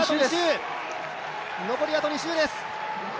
残りあと２周です。